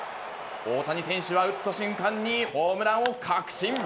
大谷選手は打った瞬間にホームランを確信。